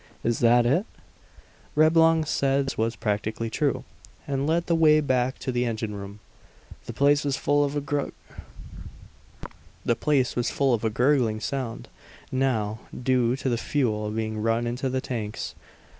Is that it?" Reblong said this was practically true, and led the way back to the engine room. The place was full of a gurgling sound, now, due to the fuel being run into the tanks.